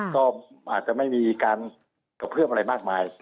ก็อาจจะไม่มีการกระเพื่อมอะไรมากมาย